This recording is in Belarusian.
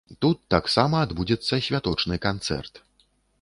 Тут таксама адбудзецца святочны канцэрт.